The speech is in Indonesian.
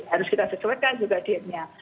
harus kita sesuaikan juga dietnya